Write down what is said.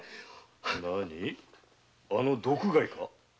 何あの毒貝か。